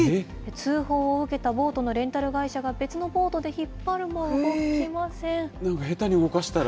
通報を受けたボートのレンタル会社が別のボートで引っ張るも、動なんか下手に動かしたら。